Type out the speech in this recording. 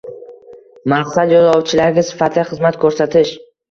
Maqsad yo‘lovchilarga sifatli xizmat ko‘rsatish